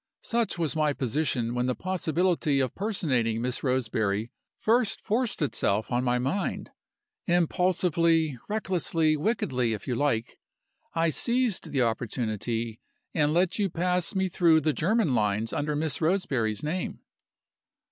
Such was my position when the possibility of personating Miss Roseberry first forced itself on my mind. Impulsively, recklessly wickedly, if you like I seized the opportunity, and let you pass me through the German lines under Miss Roseberry's name.